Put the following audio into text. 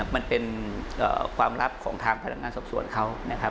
มันเป็นความลับของทางพนักงานสอบสวนเขานะครับ